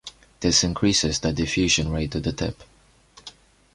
This increases the diffusion rate to the tip.